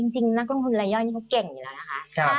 นักลงทุนรายย่อยนี่เขาเก่งอยู่แล้วนะคะ